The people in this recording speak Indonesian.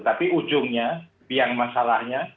tapi ujungnya biang masalahnya